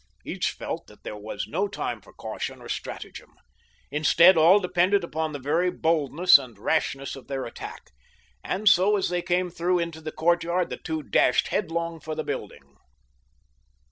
Each felt that there was no time for caution or stratagem. Instead all depended upon the very boldness and rashness of their attack, and so as they came through into the courtyard the two dashed headlong for the building.